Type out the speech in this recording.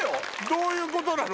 どういうことなの⁉